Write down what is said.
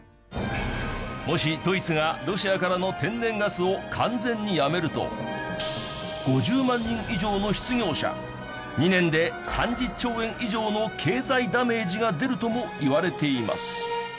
もしドイツがロシアからの天然ガスを完全にやめると５０万人以上の失業者２年で３０兆円以上の経済ダメージが出るともいわれています。